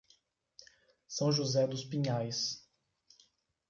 São José Dos Pinhais